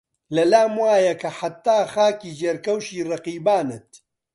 لەلام وایە کە حەتتا خاکی ژێرکەوشی ڕەقیبانت